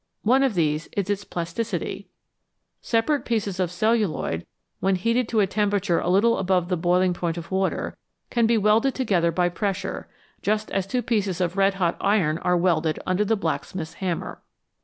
One of these is its plasticity ; separate pieces of celluloid, when heated to a temperature a little above the boiling point of water, can be welded together by pressure, just as two pieces of red hot iron are welded under the blacksmith^ hammer.